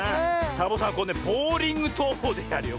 サボさんはボウリングとうほうでやるよ